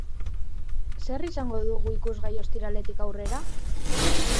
Zer izango dugu ikusgai ostiraletik aurrera?